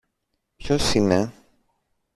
Ποιος είναι;